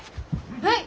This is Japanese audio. はい！